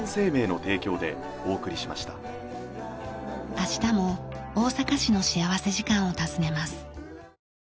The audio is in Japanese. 明日も大阪市の幸福時間を訪ねます。